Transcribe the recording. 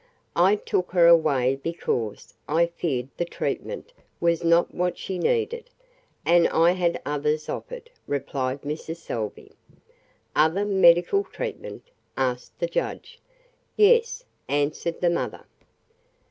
"I took her away because I feared the treatment was not what she needed, and I had others offered," replied Mrs. Salvey. "Other medical treatment?" asked the judge. "Yes," answered the mother.